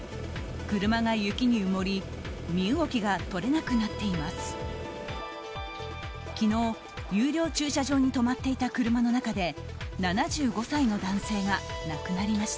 車が雪に埋まり身動きが取れなくなっています。